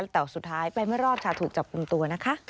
แต่สุดท้ายไปไม่รอดชาวถูกจับปรุงตัว